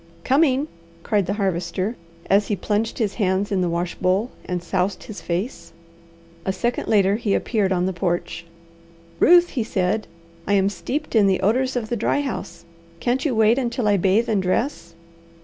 "Coming!" cried the Harvester, as he plunged his hands in the wash bowl and soused his face. A second later he appeared on the porch. "Ruth," he said, "I am steeped in the odours of the dry house. Can't you wait until I bathe and dress?"